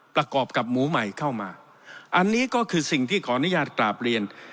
ประกอบกับหมูใหม่เข้ามาอันนี้ก็คือสิ่งที่ขออนุญาตกราบเรียน